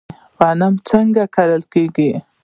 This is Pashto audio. غنم څنګه کرل کیږي؟